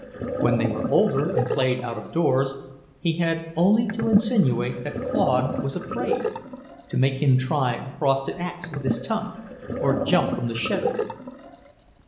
When they were older, and played out of doors, he had only to insinuate that Claude was afraid, to make him try a frosted axe with his tongue, or jump from the shed roof.